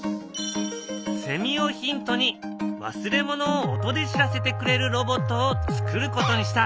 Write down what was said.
セミをヒントに忘れ物を音で知らせてくれるロボットをつくることにした。